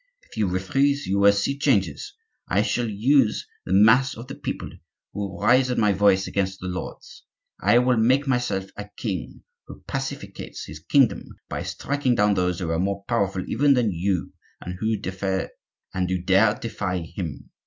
If you refuse you will see great changes. I shall use the mass of the people, who will rise at my voice against the lords. I will make myself a king who pacificates his kingdom by striking down those who are more powerful even than you, and who dare defy him.